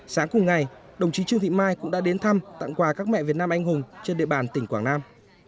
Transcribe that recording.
sáng cùng ngày đồng chí trương thị mai cũng đã đến thăm tặng quà các mẹ việt nam anh hùng trên địa bàn tỉnh quảng nam